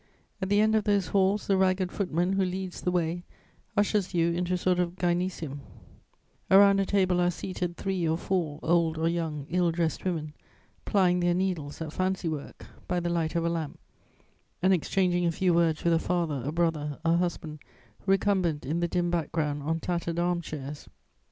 At the end of those halls, the ragged footman who leads the way ushers you into a sort of gynecæum: around a table are seated three or four, old or young, ill dressed women, plying their needles at fancy work, by the light of a lamp, and exchanging a few words with a father, a brother, a husband recumbent in the dim background on tattered arm chairs.